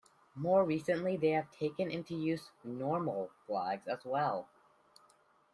More recently they have taken into use "normal" flags as well.